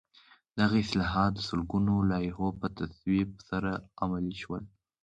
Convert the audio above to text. دغه اصلاحات د سلګونو لایحو په تصویب سره عملي شول.